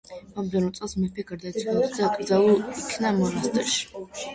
მომდევნო წელს, მეფე გარდაიცვალა და დაკრძალულ იქნა მონასტერში.